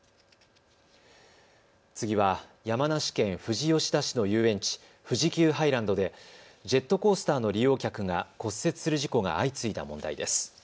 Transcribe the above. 次は山梨県富士吉田市の遊園地、富士急ハイランドでジェットコースターの利用客が骨折する事故が相次いだ問題です。